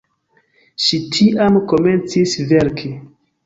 Ŝi tiam komencis verki.